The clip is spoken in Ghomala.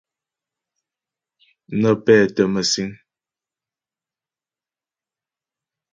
Nə́ pɛ́tə́ mə̂síŋ.